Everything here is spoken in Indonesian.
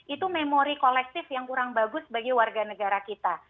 itu memori kolektif yang kurang bagus bagi warga negara kita